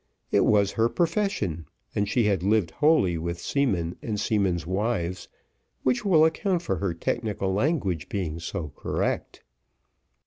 It was her profession, and she had lived wholly with seamen and seamen's wives, which will account for her technical language being so correct.